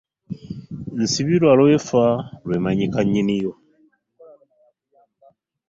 Nsibirwa lwefa lwemunyikka nyinni yo .